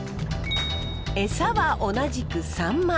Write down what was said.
エサは同じくサンマ。